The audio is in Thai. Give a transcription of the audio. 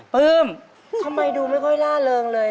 ปลื้มทำไมดูไม่ค่อยล่าเริงเลย